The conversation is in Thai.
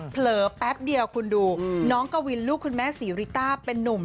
เผลอแป๊บเดียวคุณดูน้องกวินลูกคุณแม่ศรีริต้าเป็นนุ่ม